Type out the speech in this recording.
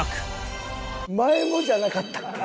前もじゃなかったっけ？